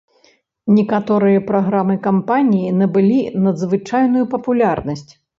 Некаторыя праграмы кампаніі набылі надзвычайную папулярнасць.